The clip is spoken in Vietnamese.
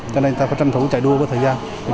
cho nên ta phải tranh thủ chạy đua với thời gian